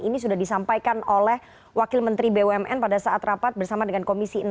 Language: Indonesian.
ini sudah disampaikan oleh wakil menteri bumn pada saat rapat bersama dengan komisi enam